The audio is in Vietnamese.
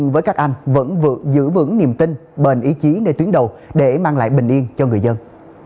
vẫn giữ vững niềm tin bền ý chí nơi tuyến đầu để mang lại bình yên cho người dân